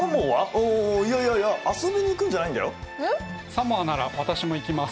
サモアなら私も行きます。